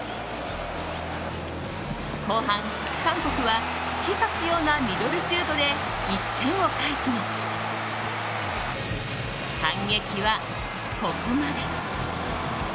後半、韓国は突き刺すようなミドルシュートで１点を返すも、反撃はここまで。